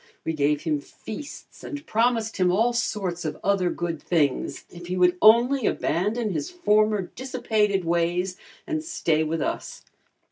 We gave him feasts and promised him all sorts of other good things, if he would only abandon his former dissipated ways and stay with us.